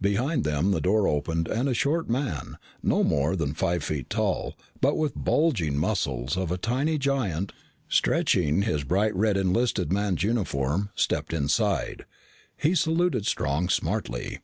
Behind them, the door opened and a short man, no more than five feet tall, but with the bulging muscles of a tiny giant stretching his bright red enlisted man's uniform, stepped inside. He saluted Strong smartly.